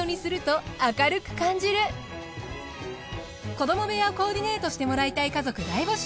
子ども部屋をコーディネートしてもらいたい家族大募集！